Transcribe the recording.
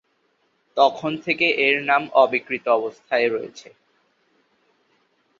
তখন থেকে এর নাম অবিকৃত অবস্থায় রয়েছে।